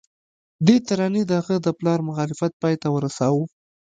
دې ترانې د هغه د پلار مخالفت پای ته ورساوه